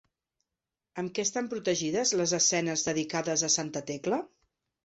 Amb què estan protegides les escenes dedicades a santa Tecla?